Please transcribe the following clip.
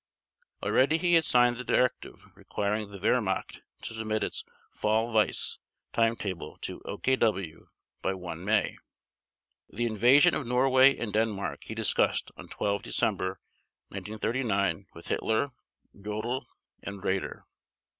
Already he had signed the directive requiring the Wehrmacht to submit its "Fall Weiss" timetable to OKW by 1 May. The invasion of Norway and Denmark he discussed on 12 December 1939 with Hitler, Jodl, and Raeder.